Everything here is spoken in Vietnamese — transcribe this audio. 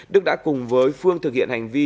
đức đã cùng với phương thực hiện hành vi